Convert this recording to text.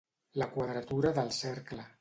La quadratura del cercle.